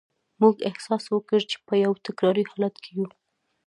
موږ احساس وکړ چې په یو تکراري حالت کې یو